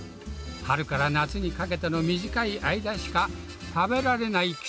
春から夏にかけての短い間しか食べられない